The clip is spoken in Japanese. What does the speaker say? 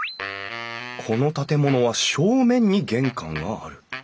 この建物は正面に玄関がある。